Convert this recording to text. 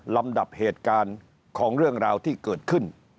ลำดับเหตุการณ์ของเรื่องราวที่เกิดขึ้น